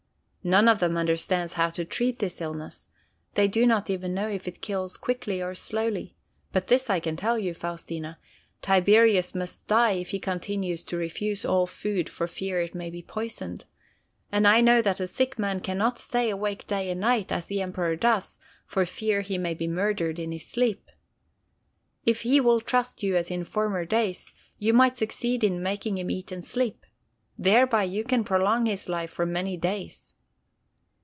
"None of them understands how to treat this illness. They do not even know if it kills quickly or slowly. But this I can tell you, Faustina, Tiberius must die if he continues to refuse all food for fear it may be poisoned. And I know that a sick man can not stay awake night and day, as the Emperor does, for fear he may be murdered in his sleep. If he will trust you as in former days, you might succeed in making him eat and sleep. Thereby you can prolong his life for many days."